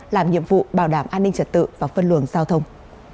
làm nhiệm vụ bảo đảm an ninh trật tự và phân luồng giao thông